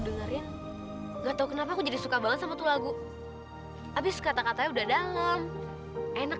dengerin enggak tahu kenapa aku jadi suka banget sama lagu habis kata katanya udah dalam enak